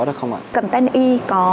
được không ạ content e có